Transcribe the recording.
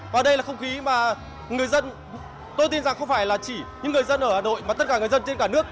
và đây là không khí mà người dân tôi tin rằng không phải là chỉ những người dân ở hà nội mà tất cả người dân trên cả nước